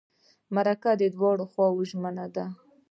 مرکه د دوو خواوو ژمنه ده.